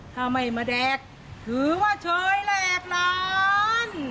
ถ้าไม่มาแดดถือว่าเฉยแหลกนาน